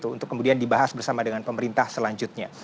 untuk kemudian dibahas bersama dengan pemerintah selanjutnya